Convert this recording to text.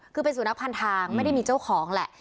คือเป็นสุนัขพันธ์ทางไม่ได้มีเจ้าของแหละ